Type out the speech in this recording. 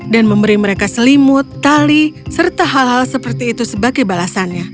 memberi mereka selimut tali serta hal hal seperti itu sebagai balasannya